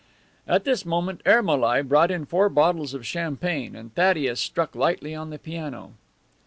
At this moment Ermolai brought in four bottles of champagne and Thaddeus struck lightly on the piano.